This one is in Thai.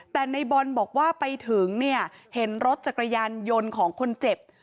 แต่ในบอลบอกว่าไปถึงเนี่ยเห็นรถจักรยานยนต์ของคนเจ็บ